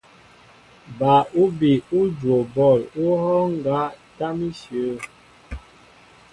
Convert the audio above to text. Ba úbi ú juwo bɔ̂l ú hɔ́ɔ́ŋ ŋgá tâm íshyə̂.